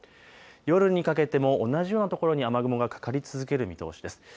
夜にかけても同じような所に雨雲がかかり続ける見通しです。